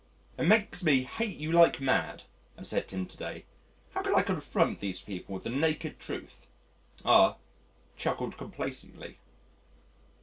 "It makes me hate you like mad," I said to him to day. "How can I confront these people with the naked truth?" R chuckled complacently.